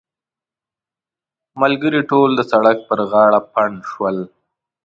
ملګري ټول د سړک پر غاړه پنډ شول.